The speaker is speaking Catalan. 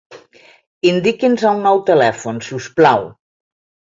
Indiqui'ns el nou telèfon, si us plau.